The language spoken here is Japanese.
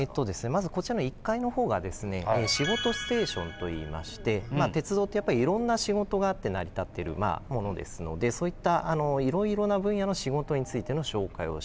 まずこちらの１階の方がですね仕事ステーションといいまして鉄道っていろんな仕事があって成り立ってるものですのでそういったいろいろな分野の仕事についての紹介をしてます。